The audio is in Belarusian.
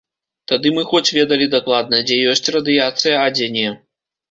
Тады мы хоць ведалі дакладна, дзе ёсць радыяцыя, а дзе не.